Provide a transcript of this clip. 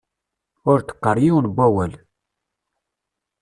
Ur d-qqar yiwen n wawal.